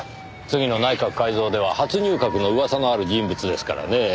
次の内閣改造では初入閣の噂のある人物ですからねぇ。